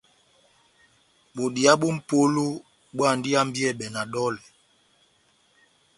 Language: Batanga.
Bodiya bó mʼpola bóhándi ihambiyɛbɛ na dɔlɛ.